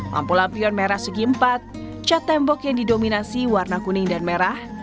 lampu lampion merah segi empat cat tembok yang didominasi warna kuning dan merah